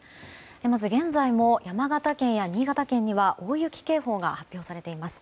まず、現在も山形県や新潟県には大雪警報が発表されています。